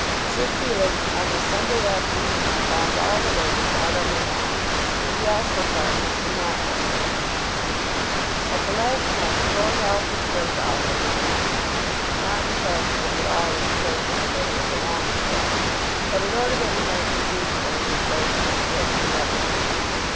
Sir Felix, on the Sunday afternoon, found all the ladies out on the lawn, and he also found Mr. Melmotte there. At the last moment Lord Alfred Grendall had been asked, not because he was at all in favour with any of the Longestaffes, but in order that he might be useful in disposing of the great Director.